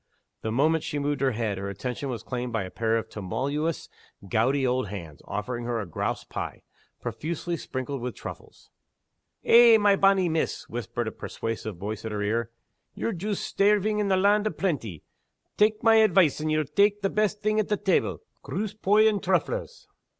The moment she moved her head, her attention was claimed by a pair of tremulous gouty old hands, offering her a grouse pie, profusely sprinkled with truffles. "Eh, my bonny Miss!" whispered a persuasive voice at her ear, "ye're joost stairving in a land o' plenty. Tak' my advice, and ye'll tak' the best thing at tebble groose poy, and trufflers."